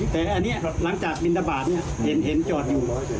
แต่อันนี้หลังจากบินทบาทเนี่ยเห็นจอดอยู่